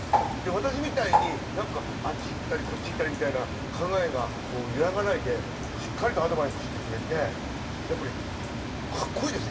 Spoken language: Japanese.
私みたいにあっち行ったりこっち行ったりみたいな考えが揺らがないでしっかりとアドバイスしてくれてやっぱりかっこいいですね。